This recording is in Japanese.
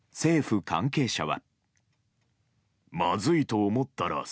政府関係者は。